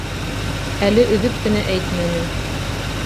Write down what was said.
Әле өҙөп кенә әйтмәне.